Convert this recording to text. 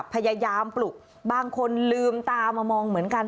พยายามปลุกบางคนลืมตามามองเหมือนกัน